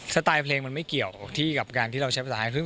สไตล์เพลงมันไม่เกี่ยวกับการที่เราใช้ภาษาไทย